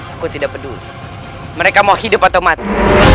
aku tidak peduli mereka mau hidup atau mati